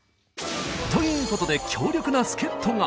ということで強力な助っ人が！